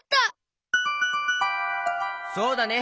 そうだね！